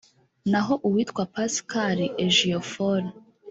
naho uwitwa Pascal Ejiofor